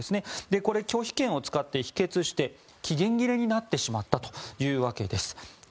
これ、拒否権を使って否決して期限切れになってしまったわけです。